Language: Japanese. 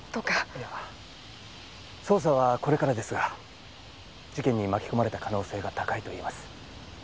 いや捜査はこれからですが事件に巻き込まれた可能性が高いと言えます。